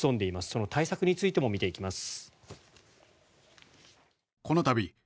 その対策についても見ていきます。